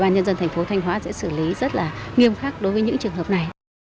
ban nhân dân thành phố thanh hóa sẽ xử lý rất là nghiêm khắc đối với những trường hợp này